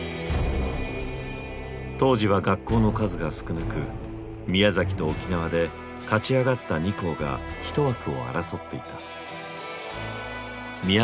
当時は学校の数が少なく宮崎と沖縄で勝ち上がった２校が一枠を争っていた。